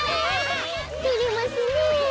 てれますねえはな